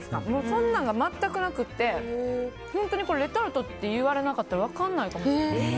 そんなのが全くなくて本当にレトルトって言われなかったら分かんないかも。